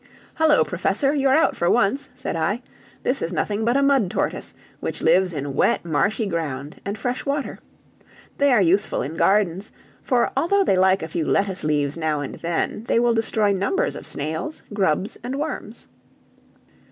"Hullo, Professor! you're out for once," said I. "This is nothing but a mud tortoise, which lives in wet, marshy ground and fresh water. They are useful in gardens; for although they like a few lettuce leaves now and then, they will destroy numbers of snails, grubs, and worms."